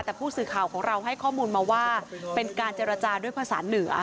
แต่ผู้สื่อข่าวของเราให้ข้อมูลมาว่าเป็นการเจรจาด้วยภาษาเหนือ